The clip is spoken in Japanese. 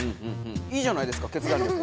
いいじゃないですか決断力。